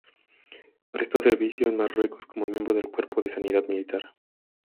Prestó servicio en Marruecos como miembro del Cuerpo de Sanidad Militar.